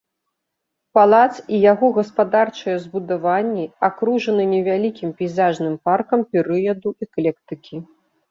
Палац і яго гаспадарчыя збудаванні акружаны невялікім пейзажным паркам перыяду эклектыкі.